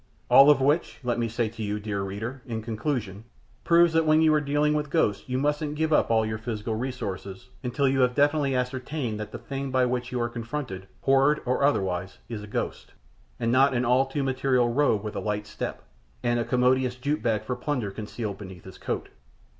All of which, let me say to you, dear reader, in conclusion, proves that when you are dealing with ghosts you mustn't give up all your physical resources until you have definitely ascertained that the thing by which you are confronted, horrid or otherwise, is a ghost, and not an all too material rogue with a light step, and a commodious jute bag for plunder concealed beneath his coat.